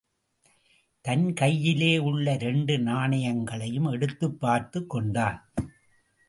தன் கையிலே உள்ள இரண்டு நாணயங்களையும் எடுத்துப் பார்த்துக் கொண்டான்.